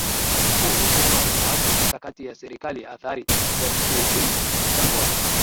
huu uhusiano wake na watu mikakati ya Serikali athari za kiuchumi na mchango wa